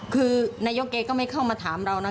คือนายกแกก็ไม่เข้ามาถามเรานะ